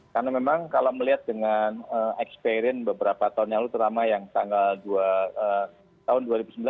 karena memang kalau melihat dengan experience beberapa tahun yang lalu teramai yang tanggal dua tahun dua ribu sembilan belas